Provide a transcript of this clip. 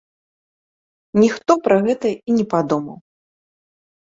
Ніхто пра гэта і не падумаў.